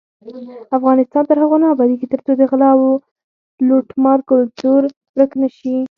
افغانستان تر هغو نه ابادیږي، ترڅو د غلا او لوټمار کلتور ورک نشي.